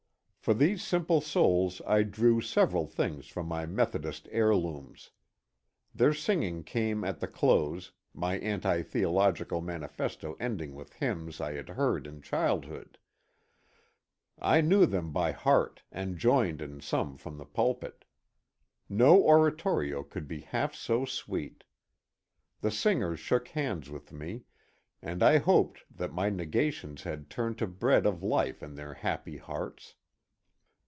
For these simple souls I drew several things from my Methodist heirlooms. Their singing came at the close, my anti theological manifesto ending with hynms I had heard in childhood. I knew them by heart, and joined in some from the pulpit. No oratorio could be half so sweet. The singers shook hands with me, and I hoped that my negations had turned to bread of life in their happy hearts.